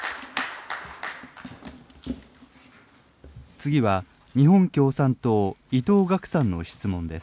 次は日本共産党、伊藤岳さんの質問です。